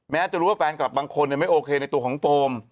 จะรู้ว่าแฟนคลับบางคนไม่โอเคในตัวของโฟม